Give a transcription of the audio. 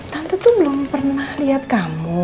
tante tuh belum pernah lihat kamu